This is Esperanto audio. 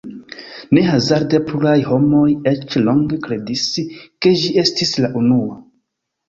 Ne hazarde pluraj homoj eĉ longe kredis, ke ĝi estis la unua.